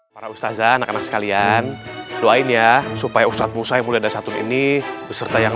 para ustazan anak anak sekalian doain ya supaya ustadz musa yang mulai ada satun ini beserta yang